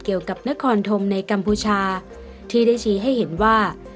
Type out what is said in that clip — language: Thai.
เกี่ยวกับนครธมในกัมพูชาที่ได้ชี้ให้เห็นว่า